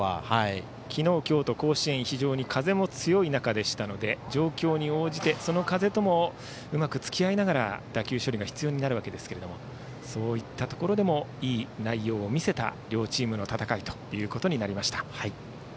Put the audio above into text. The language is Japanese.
昨日、今日と甲子園非常に風も強い中でしたので状況に応じて、その風ともうまくつきあいながら打球処理が必要になりますがそういったところでもいい内容を見せた両チームの戦いでした。